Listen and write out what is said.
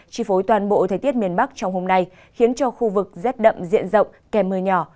chi phối toàn bộ thời tiết miền bắc trong hôm nay khiến cho khu vực rét đậm diện rộng kèm mưa nhỏ